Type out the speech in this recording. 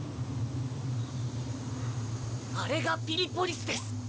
あれがピリポリスです。